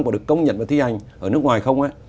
có được công nhận và thi hành ở nước ngoài không